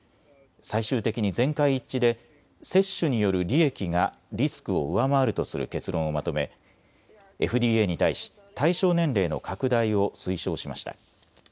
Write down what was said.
最終的に全会一致で接種による利益がリスクを上回るとする結論をまとめＦＤＡに対し対象年齢の拡大を推奨しました。